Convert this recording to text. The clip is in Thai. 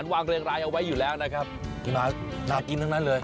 น่ากินทั้งนั้นเลย